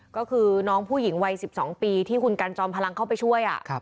ก็คือน้องผู้หญิงวัย๑๒ปีที่คุณกันจอมพลังเข้าไปช่วย